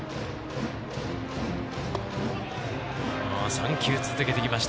３球続けてきました